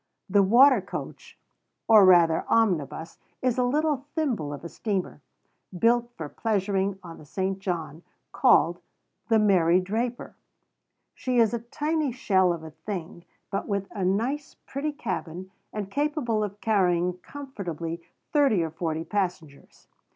The water coach, or rather omnibus, is a little thimble of a steamer, built for pleasuring on the St. John's, called "The Mary Draper." She is a tiny shell of a thing, but with a nice, pretty cabin, and capable of carrying comfortably thirty or forty passengers.